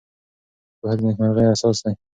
پوهه د نېکمرغۍ اساس دی.